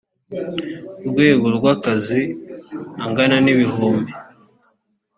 rwego rw akazi angana n ibihumbi